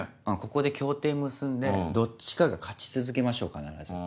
ここで協定結んでどっちかが勝ち続けましょう必ず。